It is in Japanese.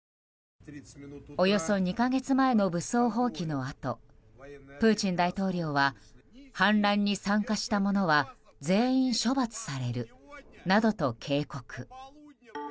およそ２か月前の武装蜂起のあとプーチン大統領は反乱に参加した者は全員処罰されるなどと警告。